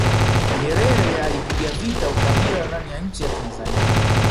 nyerere alipiga vita ukabila ndani ya nchi ya tanzania